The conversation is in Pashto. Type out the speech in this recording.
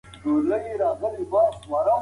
ټیکنالوژي ژوند اسانه کوي.